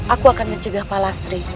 aku akan menjaga pak lastri